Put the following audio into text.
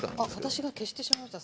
私が消してしまいました。